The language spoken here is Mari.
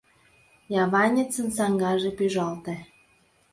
Яванецын саҥгаже пӱжалте.